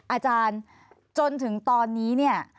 อาจารย์จนถึงตอนนี้เนี่ย